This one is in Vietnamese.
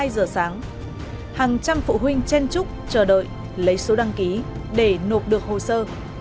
hai giờ sáng hàng trăm phụ huynh chen chúc chờ đợi lấy số đăng ký để nộp được hồ sơ